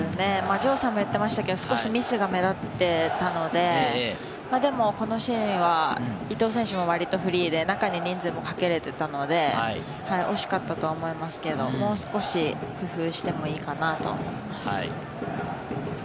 城さんも言っていましたけれども、ちょっとミスが目立っていたので、でも、このシーンは伊東選手も割とフリーで、中に人数もかけれていたので、惜しかったとは思いますけれども、もう少し工夫してもいいかなと。